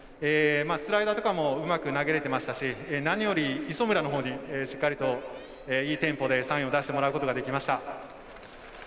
スライダーとかもうまく投げられていましたし何より、磯村のほうにしっかりと、いいテンポでサインを出してもらうことができました。